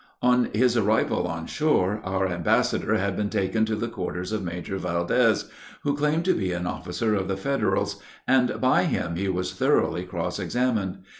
On his arrival on shore, our ambassador had been taken to the quarters of Major Valdez, who claimed to be an officer of the Federals, and by him he was thoroughly cross examined.